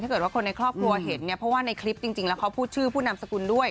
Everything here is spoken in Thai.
ถ้าเกิดว่าคนในครอบครัวเห็นเพราะว่าในคลิปจริงแล้วเขาพูดชื่อพูดนามสกุลด้วย